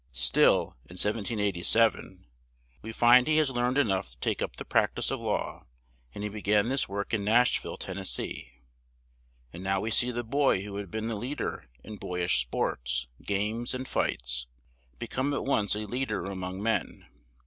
Still, in 1787, we find he has learned e nough to take up the prac tice of law, and he be gan this work in Nash ville, Ten nes see; and now we see the boy who had been the lead er in boy ish sports, games and fights, be come at once a lead er a mong men.